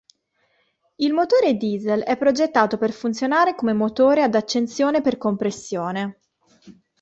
Il motore diesel è progettato per funzionare come motore ad accensione per compressione.